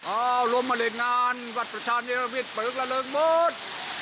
โอ้โหรวมมาเรียกงานวัดประชานเยียดวิทย์เปลือกระเริกหมด